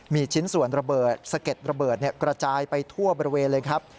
มีชิ้นส่วนระเบิดสะเก็ดระเบิดกระจายไปทั่วบริเวณเลยครับ